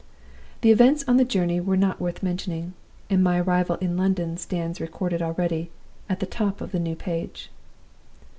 "The events on the journey were not worth mentioning, and my arrival in London stands recorded already on the top of the new page.